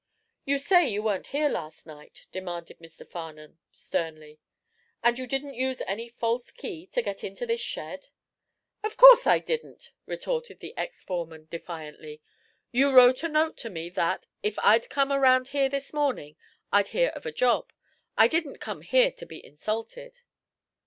"You say you weren't here last night?" demanded Mr. Farnum, sternly. "And you didn't use any false key to get into this shed?" "Of course I didn't," retorted the ex foreman, defiantly. "You wrote a note to me that, if I'd come around here this morning, I'd hear of a job. I didn't come here to be insulted."